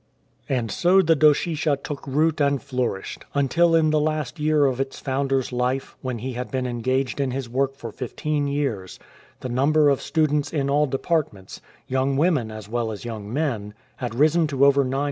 And so the Doshisha took root and flourished, until in the last year of its founder's life, when he had been en gaged in his work for fifteen years, the number of students in all departments, young women as well as young men, had risen to over 900.